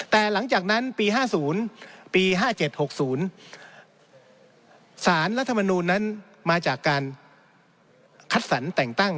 แต่หลังจากนั้นปี๕๐ปี๕๗๖๐สารรัฐมนูลนั้นมาจากการคัดสรรแต่งตั้ง